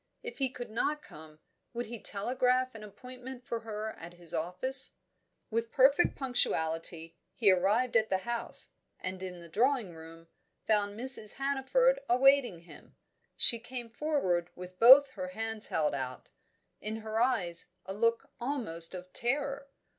If he could not come, would he telegraph an appointment for her at his office? With perfect punctuality, he arrived at the house, and in the drawing room found Mrs. Hannaford awaiting him. She came forward with both her hands held out; in her eyes a look almost of terror.